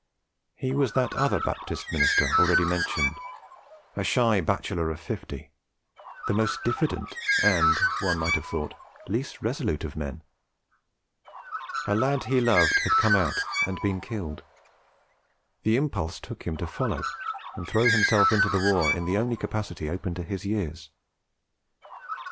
He was that other Baptist already mentioned, a shy bachelor of fifty, the most diffident and (one might have thought) least resolute of men. A lad he loved had come out and been killed; the impulse took him to follow and throw himself into the war in the only capacity open to his years.